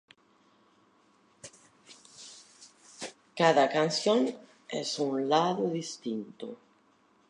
Cada canción es un lado distinto.